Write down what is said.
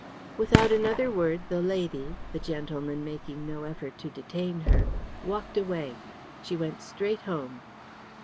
Without another word the lady, the gentleman making no effort to detain her, walked away. She went straight home.